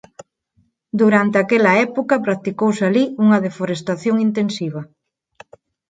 Durante aquela época practicouse alí unha deforestación intensiva.